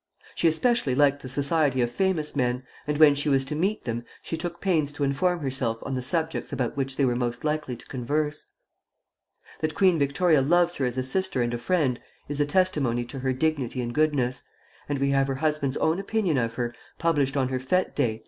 She especially liked the society of famous men, and when she was to meet them, she took pains to inform herself on the subjects about which they were most likely to converse. That Queen Victoria loves her as a sister and a friend, is a testimony to her dignity and goodness; and we have her husband's own opinion of her, published on her fête day, Dec.